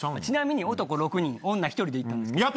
ちなみに男６人女１人で行ったんです。